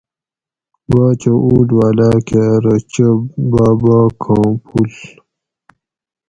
باچہ اُوٹ والاۤ کہ ارو چو باباکاں پُوڷ